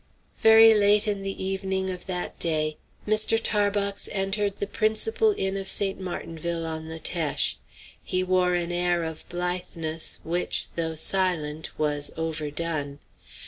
Very late in the evening of that day Mr. Tarbox entered the principal inn of St. Martinville, on the Teche. He wore an air of blitheness which, though silent, was overdone.